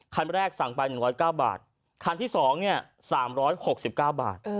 คันแรกสั่งไป๑๐๙บาทคันที่๒เนี่ย๓๖๙บาท